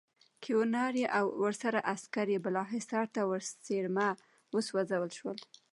کیوناري او ورسره عسکر یې بالاحصار ته ورڅېرمه وسوځول شول.